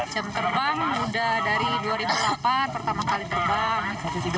jam terbang udah dari dua ribu delapan pertama kali terbang